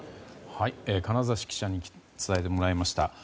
金指記者に伝えてもらいました。